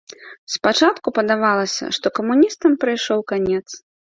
Спачатку падавалася, што камуністам прыйшоў канец.